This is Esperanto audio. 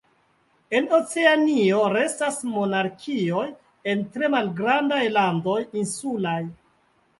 En Oceanio restas monarkioj en tre malgrandaj landoj insulaj.